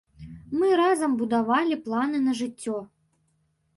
Мы разам будавалі планы на жыццё.